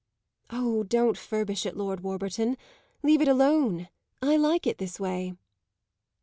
"Oh, don't furbish it, Lord Warburton , leave it alone. I like it this way."